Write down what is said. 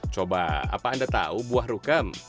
coba apa anda tahu buah rukam